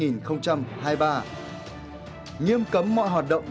nghiêm cấm mọi hoạt động